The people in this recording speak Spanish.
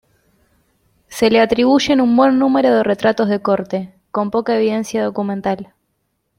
Se le atribuyen un buen número de retratos de corte, con poca evidencia documental.